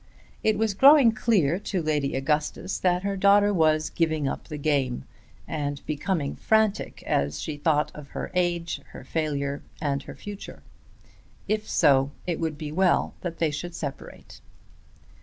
It was growing clear to Lady Augustus that her daughter was giving up the game and becoming frantic as she thought of her age, her failure, and her future. If so it would be well that they should separate.